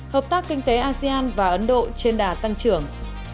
hợp tác kinh tế asean và ấn độ trên đà tăng trưởng